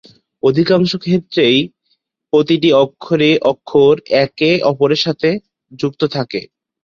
তার উত্তর দিয়েছে সিলেটের নন্দিতা সিনেমা হল কর্তৃপক্ষ।